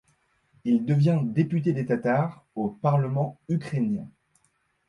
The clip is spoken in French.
Il devient député des Tatars au Parlement ukrainien.